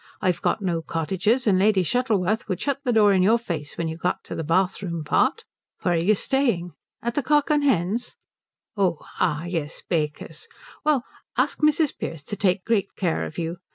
I've got no cottages, and Lady Shuttleworth would shut the door in your face when you got to the bathroom part. Where are you staying? At the Cock and Hens? Oh ah yes at Baker's. Well, ask Mrs. Pearce to take great care of you.